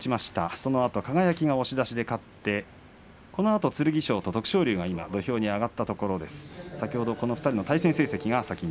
そのあと輝が押し出しで勝って剣翔と徳勝龍が土俵に上がったところです。